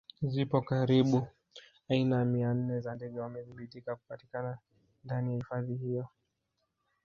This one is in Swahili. Zipo karibu aina mia nne za ndege na wamethibitika kupatikana ndani ya hifadhi hiyo